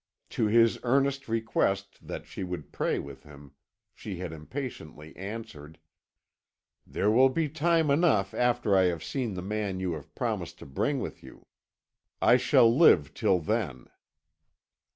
To his earnest request that she would pray with him, she had impatiently answered: "There will be time enough after I have seen the man you have promised to bring with you. I shall live till then."